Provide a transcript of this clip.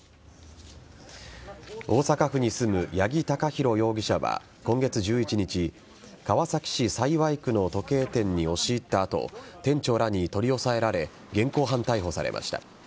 大阪府に住む八木貴寛容疑者は今月１１日川崎市幸区の時計店に押し入った後店長らに取り押さえられ現行犯逮捕されました。